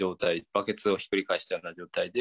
ばけつをひっくり返したような状態で